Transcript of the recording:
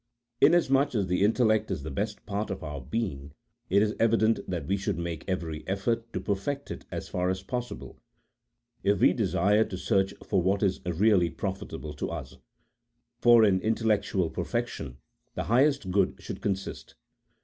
Inasmuch as the intellect is the best part of our being, it. is evident that we should make every effort to perfect it as far as possible if we desire to search for what is really pro fitable to us. For in intellectual perfection the highest good should consist.